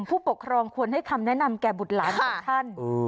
ผู้ปกครองควรให้คำแนะนำแก่บุตรหลานของท่าน